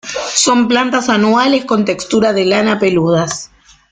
Son plantas anuales con textura de lana, peludas.